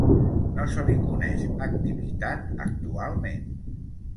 No se li coneix activitat actualment.